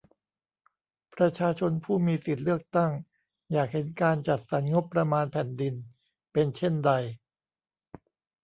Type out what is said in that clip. ประชาชนผู้มีสิทธิ์เลือกตั้งอยากเห็นการจัดสรรงบประมาณแผ่นดินเป็นเช่นใด ?